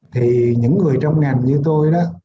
thì những người trong ngành như tôi đó